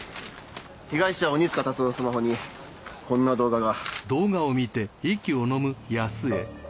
被害者鬼塚辰夫のスマホにこんな動画が。